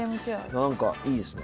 何かいいですね